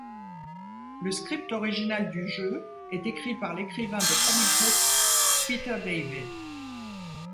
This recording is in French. Le script original du jeu est écrit par l'écrivain de comic book Peter David.